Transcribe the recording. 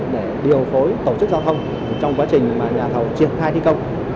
để điều phối tổ chức giao thông trong quá trình mà nhà thầu triển khai thi công